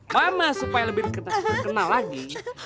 mana supaya lebih terkenal lagi